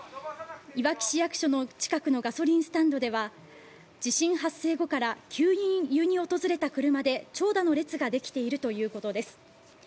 いわき市役所の近くのガソリンスタンドでは地震発生後から給油に訪れた車で長蛇の列ができているということです。